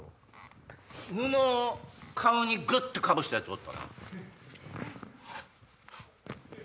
布を顔にグッとかぶしたヤツおったな。なぁ？